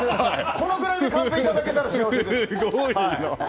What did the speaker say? このくらいいただけたら幸せです。